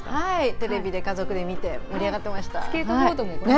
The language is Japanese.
テレビで家族で見て盛り上がっていました。